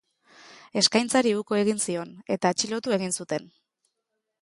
Eskaintzari uko egin zion, eta atxilotu egin zuten.